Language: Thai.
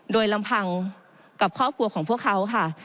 โดยลำพังกับครอบครัวของพวกเขาค่ะ